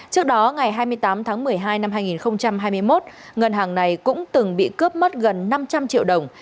trước đó ngày hai mươi tám tháng một mươi hai năm hai nghìn hai mươi một ngân hàng này cũng từng bị cướp mất gần năm trăm linh triệu đồng